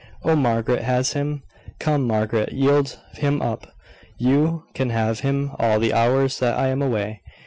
Oh, Margaret has him! Come, Margaret, yield him up. You can have him all the hours that I am away.